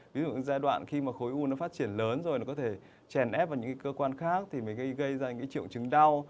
ví dụ những giai đoạn khi mà khối u nó phát triển lớn rồi nó có thể chèn ép vào những cơ quan khác thì mới gây ra những triệu chứng đau